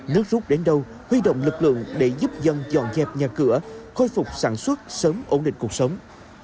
nước rút đến đâu huy động lực lượng để giúp dân dọn dẹp nhà cửa khôi phục sản xuất sớm ổn định cuộc sống